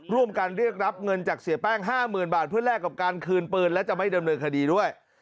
ร่วมกันเรียกรับเงินจากเสียแป้ง๕๐๐๐บาทเพื่อแลกกับการคืนปืนและจะไม่ดำเนินคดีด้วย